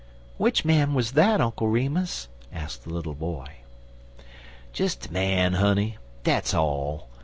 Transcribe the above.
"Which man was that, Uncle Remus?" asked the little boy. "Des a man, honey. Dat's all.